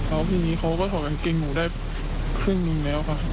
แล้วทีนี้เขาก็ถอดกางเกงหมูได้ครึ่งหนึ่งแล้วค่ะ